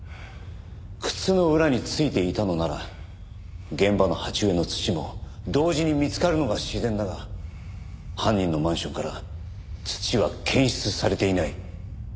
靴の裏に付いていたのなら現場の鉢植えの土も同時に見つかるのが自然だが犯人のマンションから土は検出されていない。